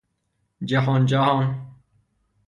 جهان جهان